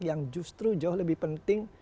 yang justru jauh lebih penting